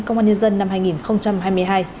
công an nhân dân năm hai nghìn hai mươi hai